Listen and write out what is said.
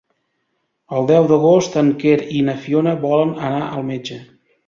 El deu d'agost en Quer i na Fiona volen anar al metge.